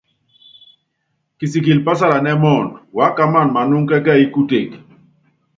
Kisikili pásalanɛ́ muundɔ, wákámana manúŋɔ kɛ́kɛ́yí kutek.